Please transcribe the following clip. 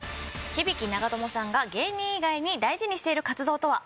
響長友さんが芸人以外に大事にしている活動とは？